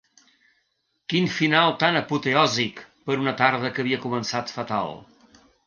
Quin final tan apoteòsic per a una tarda que havia començat fatal!